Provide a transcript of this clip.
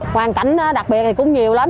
quan cảnh đặc biệt thì cũng nhiều lắm